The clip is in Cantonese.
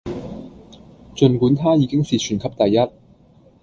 儘管她已經是全級第一